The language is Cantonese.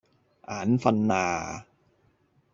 眼訓喇